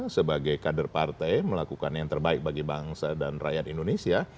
sebagai kader partai melakukan yang terbaik bagi bangsa dan rakyat indonesia